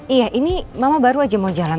iya ini mama baru aja mau jalan